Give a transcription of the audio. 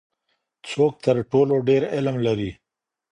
څوک تر ټولو ډیر علم لري؟